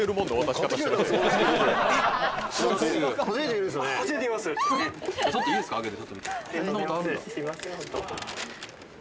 ちょっといいですかあけて？